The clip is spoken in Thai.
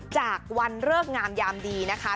จากวันเลิกงามยามดีนะคะ